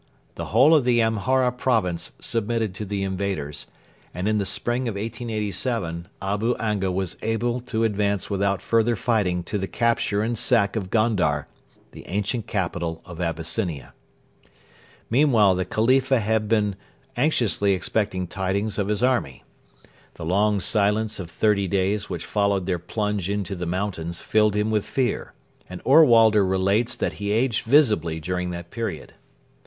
The whole of the Amhara province submitted to the invaders, and in the spring of 1887 Abu Anga was able to advance without further fighting to the capture and sack of Gondar, the ancient capital of Abyssinia. Meanwhile the Khalifa had been anxiously expecting tidings of his army. The long silence of thirty days which followed their plunge into the mountains filled him with fear, and Ohrwalder relates that he 'aged visibly' during that period.